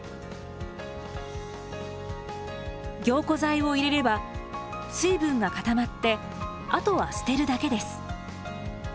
凝固剤を入れれば水分が固まってあとは捨てるだけです。